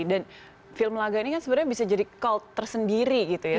dan film laga ini kan sebenarnya bisa jadi cult tersendiri gitu ya